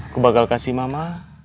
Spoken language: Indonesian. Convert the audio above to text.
aku bakal kasih mama